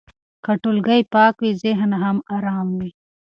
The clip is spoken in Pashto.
که ټولګی پاک وي، ذهن هم ارام وي.